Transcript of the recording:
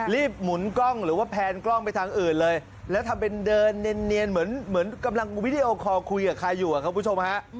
หมุนกล้องหรือว่าแพนกล้องไปทางอื่นเลยแล้วทำเป็นเดินเนียนเหมือนกำลังวิดีโอคอลคุยกับใครอยู่อะครับคุณผู้ชมฮะ